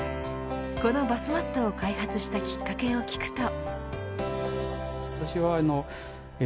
このバスマットを開発したきっかけを聞くと。